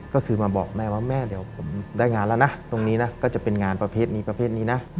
ก็คือมาบอกแม่ว่าแม่เดี๋ยวผมได้งานแล้วนะตรงนี้นะก็จะเป็นงานประเภทนี้ประเภทนี้นะ